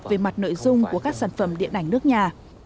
về mặt nội dung của các sản phẩm điện ảnh nước nhà